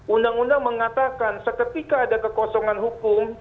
undang undang mengatakan seketika ada kekosongan hukum